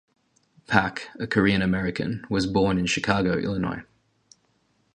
Pak, a Korean American, was born in Chicago, Illinois.